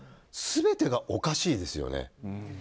全てがおかしいですよね。